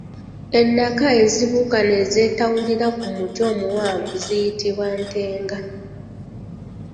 Ennaka ezibuuka ne zeetawulira ku muti omuwanvu ziyitibwa “ntenga”.